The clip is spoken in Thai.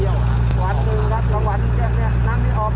อยู่กับตายเรือสวัสดีครับพี่ครับสวัสดีครับ